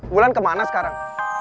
wulan kemana sekarang